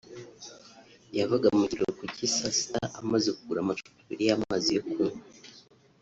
yavaga mu kiruhuko cy’i saa sita amaze kugura amacupa abiri y’amazi yo kunywa